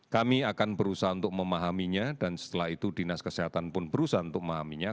kami akan berusaha untuk memahaminya dan setelah itu dinas kesehatan pun berusaha untuk memahaminya